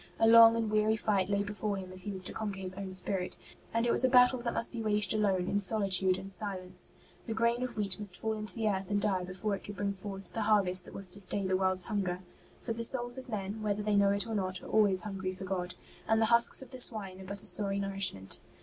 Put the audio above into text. A long and weary fight lay before him if he was to conquer his own spirit, and it was a battle that must be waged alone, in solitude and silence. The grain of wheat must fall into the earth and die before it could bring forth 30 ST. BENEDICT the harvest that was to stay the world's hunger. For the souls of men, whether they know it or not, are always hungry for God, and the husks of the swine are but a sorry nourishment.